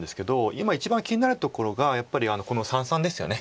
今一番気になるところがやっぱりこの三々ですよね。